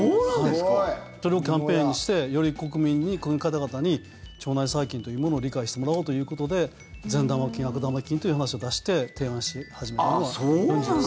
それをキャンペーンにしてより国民の方々に腸内細菌というものを理解してもらおうということで善玉菌、悪玉菌という話を出して提案し、始めました。